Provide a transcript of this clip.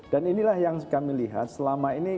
dan inilah yang kami lihat selama ini